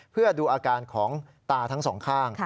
เพื่อดูอาการของตาทั้งสองข้าง